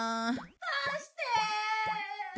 出して。